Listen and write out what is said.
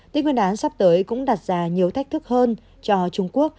tết nguyên đán sắp tới cũng đặt ra nhiều thách thức hơn cho trung quốc